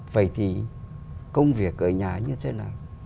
vậy thì công việc ở nhà như thế nào